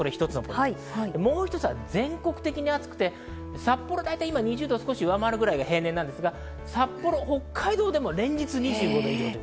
もう一つは全国的に暑くて、札幌は、だいたい２０度を上回るぐらいなんですが北海道でも連日２５度以上。